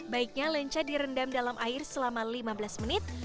baiknya lenca direndam dalam air selama lima belas menit